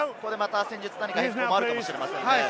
戦術変更があるかもしれませんね。